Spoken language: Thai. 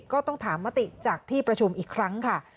ก็ต้องถามมติจากที่ประชุมอีกครั้งค่ะ